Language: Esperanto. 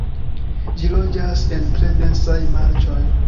Ĝi loĝas en tre densaj marĉoj.